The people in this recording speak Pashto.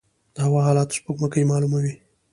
د هوا حالات سپوږمکۍ معلوموي